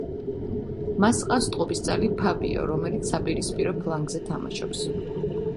მას ჰყავს ტყუპისცალი ფაბიო, რომელიც საპირისპირო ფლანგზე თამაშობს.